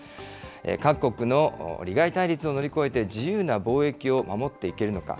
各国の利害対立を乗り越えて、自由な貿易を守っていけるのか。